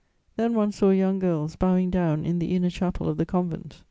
Then one saw young girls bowing down in the inner chapel of the convent.